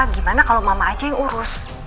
gimana kalau mama aceh yang urus